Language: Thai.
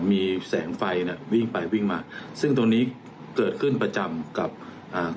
มีแสงไฟเนี้ยวิ่งไปวิ่งมาซึ่งตรงนี้เกิดขึ้นประจำกับอ่า